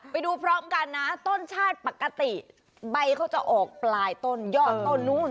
ไปดูพร้อมกันนะต้นชาติปกติใบเขาจะออกปลายต้นยอดต้นนู้น